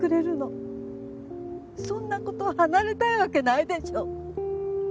そんな子と離れたいわけないでしょ！